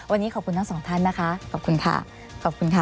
วันนี้ขอบคุณทั้งสองท่านนะคะขอบคุณค่ะ